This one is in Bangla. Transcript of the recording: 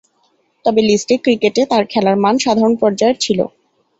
তবে, লিস্ট এ ক্রিকেটে তার খেলার মান সাধারণ পর্যায়ের ছিল।